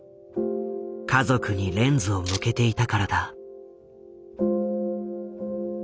家族にレンズを向けていたからだ。